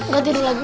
gak tidur lagi